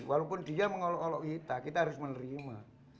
walaupun dia mengolok olok kita kita harus menerima